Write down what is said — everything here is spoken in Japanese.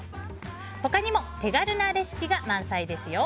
他にも手軽なレシピが満載ですよ。